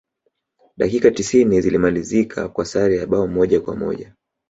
dakika tisini zilimalizika kwa sare ya bao moja kwa moja